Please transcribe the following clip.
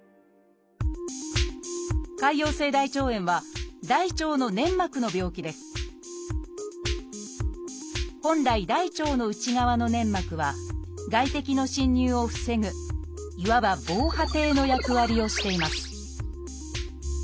「潰瘍性大腸炎」は大腸の粘膜の病気です本来大腸の内側の粘膜は外敵の侵入を防ぐいわば防波堤の役割をしています